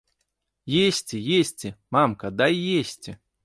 Есці, есці, мамка, дай есці!